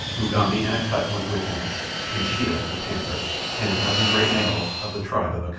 Mugambi and Akut went with him, and Sheeta, the panther, and a dozen great males of the tribe of Akut.